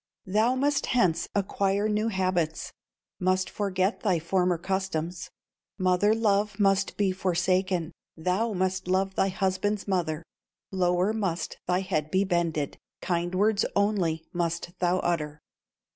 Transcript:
"Thou must hence acquire new habits, Must forget thy former customs, Mother love must be forsaken, Thou must love thy husband's mother, Lower must thy head be bended, Kind words only must thou utter.